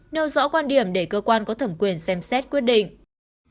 nêu rõ quan điểm để cơ quan có thẩm quyền xem xét quyết định